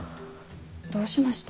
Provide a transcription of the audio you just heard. どうしました？